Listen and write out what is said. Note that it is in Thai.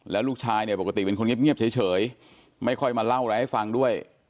แล้วลูกชายเนี่ยปกติเป็นคนเงียบเฉยไม่ค่อยมาเล่าอะไรให้ฟังด้วย